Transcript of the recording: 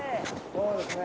そうですね。